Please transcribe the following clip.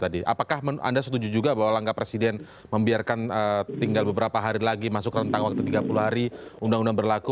apakah anda setuju juga bahwa langkah presiden membiarkan tinggal beberapa hari lagi masuk rentang waktu tiga puluh hari undang undang berlaku